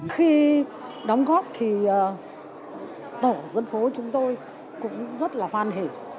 khi đóng góp thì tổ dân phố chúng tôi cũng rất là hoan hỉ